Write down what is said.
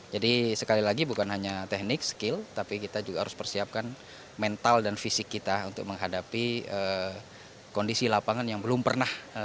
jadi sekali lagi bukan hanya teknik skill tapi kita juga harus persiapkan mental dan fisik kita untuk menghadapi kondisi lapangan yang belum pernah